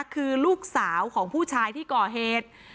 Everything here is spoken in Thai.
คือลูกสาวของผู้ชายที่ก่อเหตุ